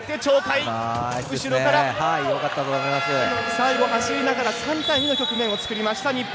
最後、走りながら３対２の局面を作りました、日本。